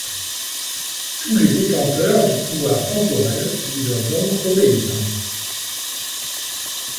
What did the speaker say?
Tous les détenteurs du pouvoir temporel lui doivent donc obéissance.